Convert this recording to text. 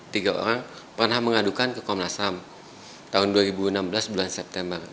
tiga orang pernah mengadukan ke komnas ham tahun dua ribu enam belas bulan september